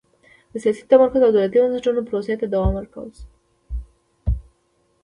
د سیاسي تمرکز او دولتي بنسټونو پروسې ته دوام ورکړل شوه.